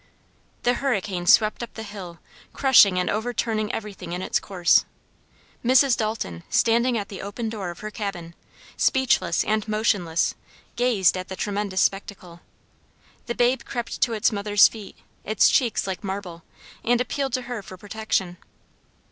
The hurricane swept up the hill, crushing and overturning everything in its course. Mrs. Dalton, standing at the open door of her cabin, speechless and motionless, gazed at the tremendous spectacle. The babe crept to its mother's feet, its cheeks like marble, and appealed to her for protection.